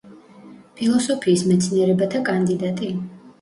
ფილოსოფიის მეცნიერებათა კანდიდატი.